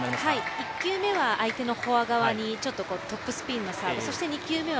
１球目は相手のフォア側にトップスピンのサーブを。